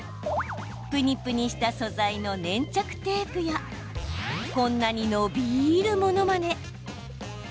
ぷにぷにした素材のテープやこんなに伸びるものまで。